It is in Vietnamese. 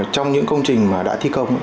trong những công trình mà đã thi công